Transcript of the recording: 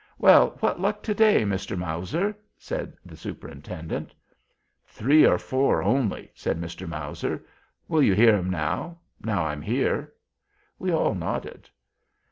"Well, what luck to day, Mr. Mowzer?" said the Superintendent. "Three or four only," said Mr. Mowzer. "Will you hear 'em now—now I'm here?" We all nodded.